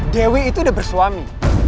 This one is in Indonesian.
dewi itu udah bersuami